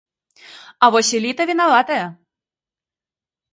А вось эліта вінаватая.